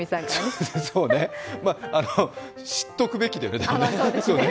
知っとくべきだよね。